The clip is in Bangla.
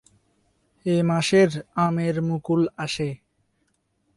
এ মাসের আমের মুকুল আসে।